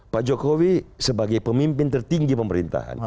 pak jokowi sebagai pemimpin tertinggi pemerintahan